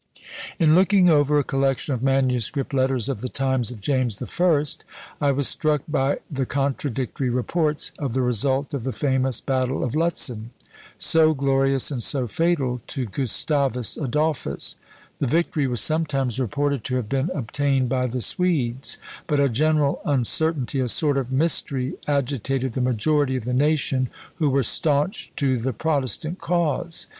In looking over a collection of manuscript letters of the times of James the First, I was struck by the contradictory reports of the result of the famous battle of Lutzen, so glorious and so fatal to Gustavus Adolphus; the victory was sometimes reported to have been obtained by the Swedes; but a general uncertainty, a sort of mystery, agitated the majority of the nation, who were staunch to the protestant cause.